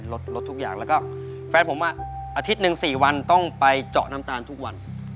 ลดทุกอย่างแล้วก็แฟนผมอาทิตย์หนึ่ง๔วันต้องไปเจาะน้ำตาลทุกวัน